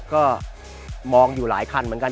ก็มองอยู่หลายคันเหมือนกัน